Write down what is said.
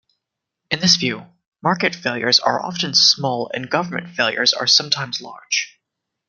In this view, market failures are often small, and government failures are sometimes large.